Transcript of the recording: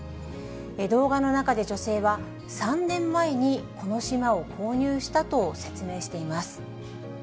動画の中で女性は、３年前にこの島を購入したと説明しています。